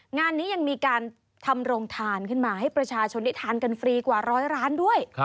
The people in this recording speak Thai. งานนี้ยังมีการทำโรงทานขึ้นมาให้ประชาชนได้ทานกันฟรีกว่าร้อยร้านด้วย